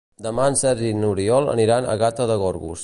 Demà en Sergi i n'Oriol iran a Gata de Gorgos.